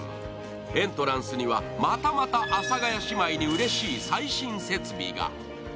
エントランスにはまたまた阿佐ヶ谷姉妹にうれしい最新設備が。